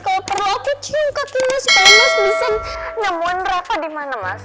kalau perlu aku cium kakinya supaya mas bisa nemuin reva di mana mas